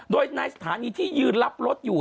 โดยในสถานีที่ยืนรับรถอยู่